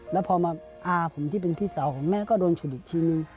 แล้วพอมาอาผมที่เป็นพี่สาวของแม่ก็โดนฉุดอีกทีนึง